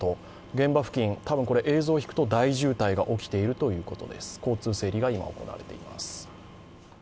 現場付近、大渋滞が起きているということで交通整理が今、行われています。